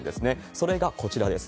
それがこちらです。